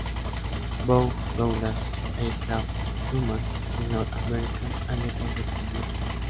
Vought, Douglas Aircraft, Grumman, y North American Aviation respondieron.